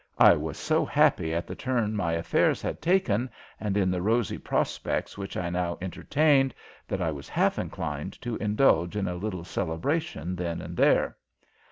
I was so happy at the turn my affairs had taken and in the rosy prospects which I now entertained that I was half inclined to indulge in a little celebration then and there.